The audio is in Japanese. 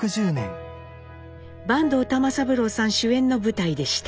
坂東玉三郎さん主演の舞台でした。